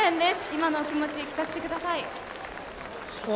今のお気持ち聞かせてください。